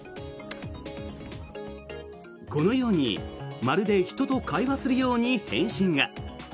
このようにまるで人と会話するように返信が。